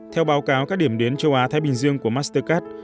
theo báo cáo các điểm đến châu á thái bình dương của mastercard